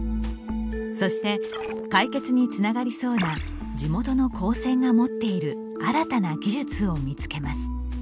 そして、解決につながりそうな地元の高専が持っている新たな技術を見つけます。